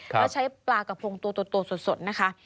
แล้วใช้ปลากระพงตัวสดนะคะ